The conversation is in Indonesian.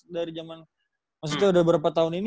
dari zaman maksudnya udah berapa tahun ini